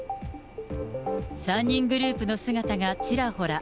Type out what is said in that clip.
３人グループの姿がちらほら。